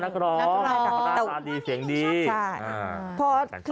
นักร้องต่อสานดีเสียงดีชอบ